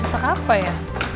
masak apa ya